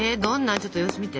ちょっと様子見て。